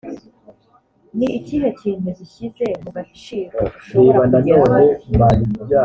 ni ikihe kintu gishyize mu gaciro ushobora kugeraho ?